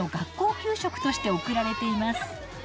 給食として送られています。